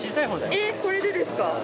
えっこれでですか？